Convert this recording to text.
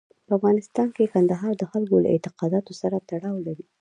په افغانستان کې کندهار د خلکو له اعتقاداتو سره تړاو لري.